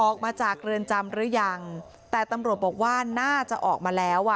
ออกมาจากเรือนจำหรือยังแต่ตำรวจบอกว่าน่าจะออกมาแล้วอ่ะ